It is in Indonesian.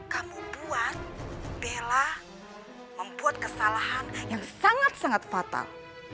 kamu buat bela membuat kesalahan yang sangat sangat fatal